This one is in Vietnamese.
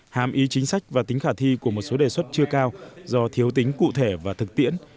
hàm ý chính sách và tính khả thi của một số đề xuất chưa cao do thiếu tính cụ thể và thực tiễn